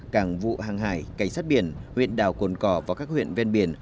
cảng vụ hàng hải cảnh sát biển huyện đảo cồn cỏ và các huyện ven biển